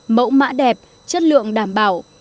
mẫu mã đẹp chất lượng đảm bảo